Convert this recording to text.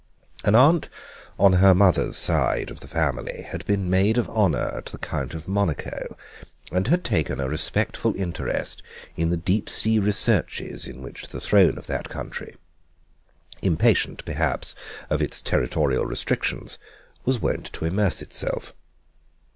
An aunt on her mother's side of the family had been Maid of Honour at the Court of Monaco, and had taken a respectful interest in the deep sea researches in which the Throne of that country, impatient perhaps of its terrestrial restrictions, was wont to immerse itself.